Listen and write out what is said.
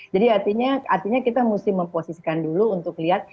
jadi artinya kita mesti memposisikan dulu untuk lihat